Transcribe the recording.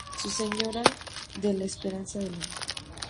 Nuestra Señora de la Esperanza de Lima